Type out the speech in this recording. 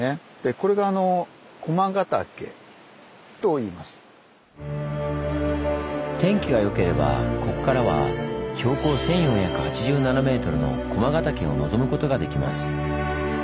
これが天気がよければここからは標高１，４８７ｍの駒ヶ岳を望むことができます。